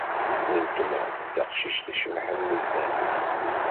Uletma d taqcict icebḥen nezzeh.